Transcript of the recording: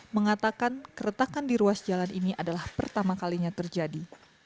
mengatakan keretakan di ruas jalan ini adalah pertama kalinya terjadi